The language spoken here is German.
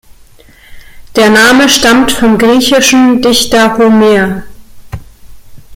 Der Name stammt vom griechischen Dichter Homer.